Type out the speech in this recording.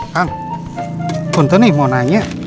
kan buntun nih mau nanya